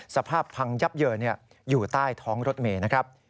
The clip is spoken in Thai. สภาพพังยับเยอะอยู่ใต้ท้องรถเมย์